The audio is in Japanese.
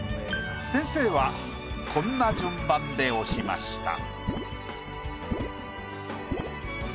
先生はこんな順番で押しました。